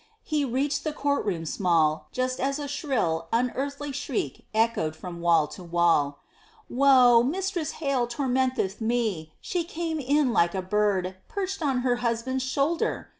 He reached the court room small, Just as a shrill, unearthly shriek echoed from wall to wall. "Woe! Mistress Hale tormenteth me! She came in like a bird, Perched on her husband's shoulder!"